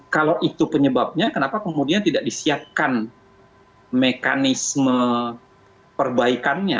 kalau itu penyebabnya kenapa kemudian tidak disiapkan mekanisme perbaikannya